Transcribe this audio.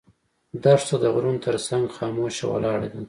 دښته د غرونو تر څنګ خاموشه ولاړه ده.